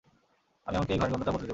আমি এমনকি এই ঘরের গন্ধটাও বদলে দেবো।